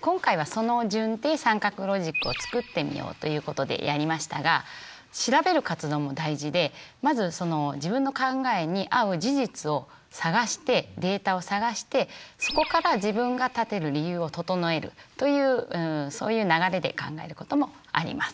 今回はその順で三角ロジックを作ってみようということでやりましたが調べる活動も大事でまず自分の考えに合う事実を探してデータを探してそこから自分が立てる理由を整えるというそういう流れで考えることもあります。